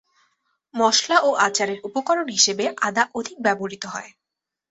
মসলা ও আচারের উপকরণ হিসেবে আদা অধিক ব্যবহূত হয়।